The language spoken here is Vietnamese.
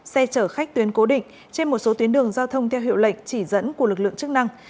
xe chở khách tuyến cố định trên một số tuyến đường giao thông theo hiệu lệch chỉ dẫn của lực lượng chức năng